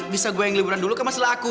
bisa gue yang liburan dulu ke masalah aku